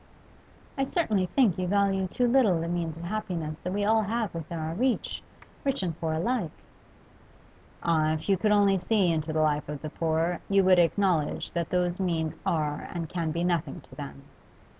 'I certainly think you value too little the means of happiness that we all have within our reach, rich and poor alike.' 'Ah, if you could only see into the life of the poor, you would acknowledge that those means are and can be nothing to them.